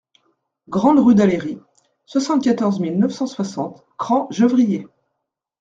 Grande Rue d'Aléry, soixante-quatorze mille neuf cent soixante Cran-Gevrier